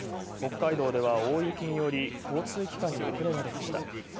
北海道では大雪により交通機関に遅れが出ました。